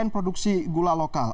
produksi gula lokal